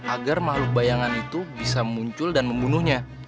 agar makhluk bayangan itu bisa muncul dan membunuhnya